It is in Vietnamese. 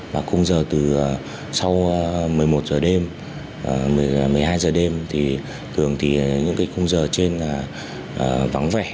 và cung giờ từ sau một mươi một h đêm một mươi hai h đêm thì thường thì những cái cung giờ trên là vắng vẻ